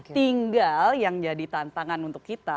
tinggal yang jadi tantangan untuk kita